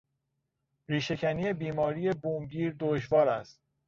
ریشهکنی بیماری بومگیر دشوار است.